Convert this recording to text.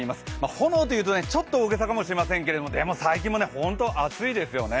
炎というとちょっと大げさかもしれませんけれどもでも最近も本当に暑いですよね。